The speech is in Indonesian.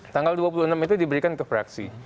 tanggal dua puluh enam itu diberikan ke fraksi